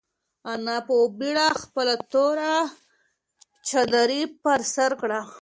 انا په بېړه خپله توره چادري پر سر کړه.